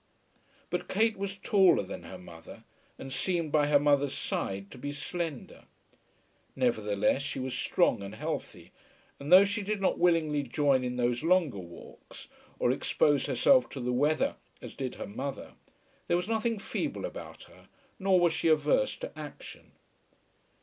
But Kate was taller than her mother, and seemed by her mother's side to be slender. Nevertheless she was strong and healthy; and though she did not willingly join in those longer walks, or expose herself to the weather as did her mother, there was nothing feeble about her, nor was she averse to action.